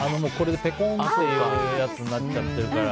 ぺこんってやるやつになってるから。